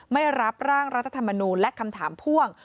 ไม่รับร่างรัฐธรรมนูลและคำถามพ่วง